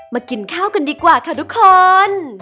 กินข้าวกันดีกว่าค่ะทุกคน